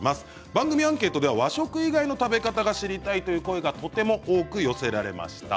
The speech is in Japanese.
番組アンケートでは和食以外の食べ方が知りたいという声がとても多く寄せられました。